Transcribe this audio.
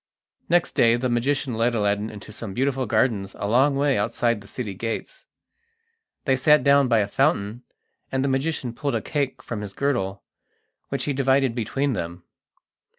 Next day the magician led Aladdin into some beautiful gardens a long way outside the city gates. They sat down by a fountain, and the magician pulled a cake from his girdle, which he divided between them.